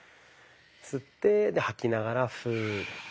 吸ってで吐きながらフーッ。